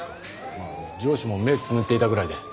まあ上司も目つむっていたぐらいで。